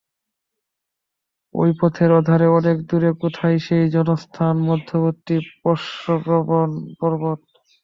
ওই পথের ওধারে অনেক দূরে কোথায় সেই জনস্থান-মধ্যবতী প্রস্রবণ-পর্বত!